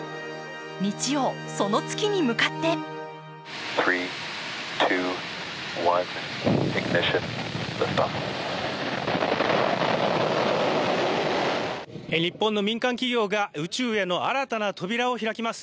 日曜、その月に向かって日本の民間企業が宇宙への新たな扉を開きます。